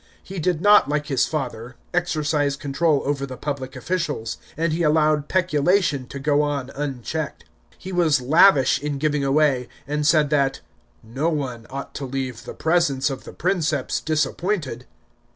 He did not, like his father, exercise control over the public officials, and he, allowed peculation to go on unchecked. He was lavish in giving away, and said that " no one ought to leave the presence ot the Princeps disappointed."